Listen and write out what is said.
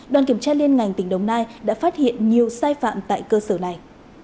đoàn kiểm tra liên ngành tỉnh đồng nai đã phát hiện nhiều sai phạm tại cơ sở này